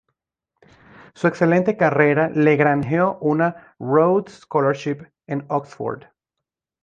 Su excelente carrera le granjeó una "Rhodes Scholarship" en Oxford.